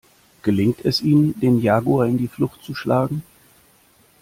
Gelingt es ihnen, den Jaguar in die Flucht zu schlagen?